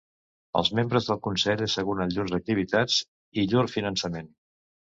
Els membres del consell asseguren llurs activitats i llur finançament.